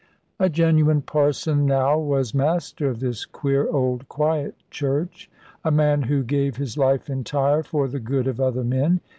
A genuine parson now was master of this queer old quiet church; a man who gave his life entire for the good of other men.